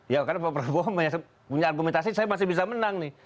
ya karena pak prabowo punya argumentasi saya masih bisa menang nih